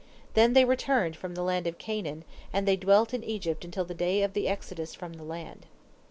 Then they returned from the land of Canaan, and they dwelt in Egypt until the day of the exodus from the land.